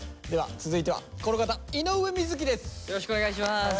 では続いてはこの方井上瑞稀です。